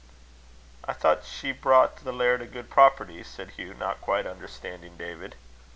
"I thought she brought the laird a good property," said Hugh, not quite understanding David.